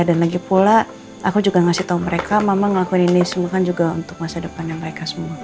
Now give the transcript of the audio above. dan lagi pula aku juga ngasih tahu mereka mama ngelakuin ini semua kan juga untuk masa depannya mereka semua